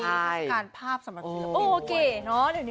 อาณาคาก็สุดเจ๋งนะใช่